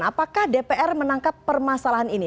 apakah dpr menangkap permasalahan ini